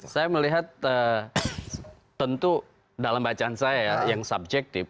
saya melihat tentu dalam bacaan saya ya yang subjektif